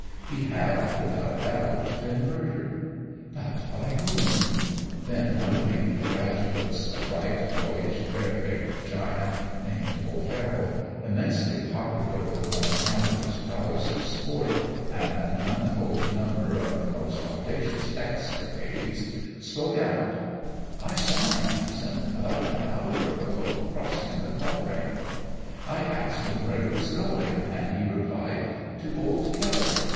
He had, without doubt, been murdered. But by whom? Then one of the undergraduates, a bright, boyish, fair haired giant, named O'Farroll, immensely popular both on account of his prowess in sport and an untold number of the most audacious escapades, spoke out: "'I saw Anderson, about an hour ago, crossing the quadrangle. I asked him where he was going, and he replied, "To old Kelly.